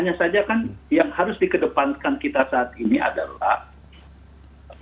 hanya saja kan yang harus dikedepankan kita saat ini adalah